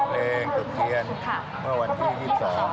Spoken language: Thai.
จุดเทียนเมื่อวันที่๒๒